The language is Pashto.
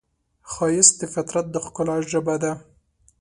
ښایست د فطرت د ښکلا ژبه ده